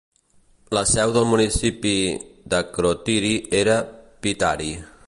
La seu del municipi d'Akrotiri era Pythari.